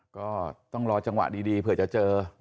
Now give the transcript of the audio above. ก็ต้องรอจังหวะดีเผื่อจะเจอ